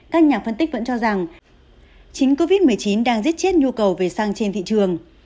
các nhà phân tích vẫn cho rằng chính covid một mươi chín đang giết chết nhu cầu về xăng trên thị trường